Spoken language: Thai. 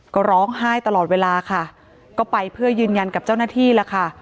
ก็ร้องไห้ตลอดเวลาค่ะก็ไปเพื่อยืนยันกับเจ้าหน้าที่แล้วค่ะ